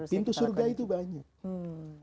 pintu surga itu banyak